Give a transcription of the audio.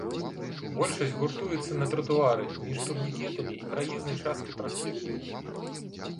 Большасць гуртуецца на тратуары між турнікетамі і праезнай часткай праспекта.